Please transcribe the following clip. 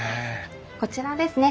こちらですね